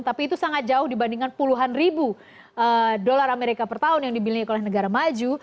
tapi itu sangat jauh dibandingkan puluhan ribu dolar amerika per tahun yang dimiliki oleh negara maju